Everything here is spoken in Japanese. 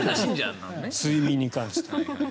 睡眠に関して。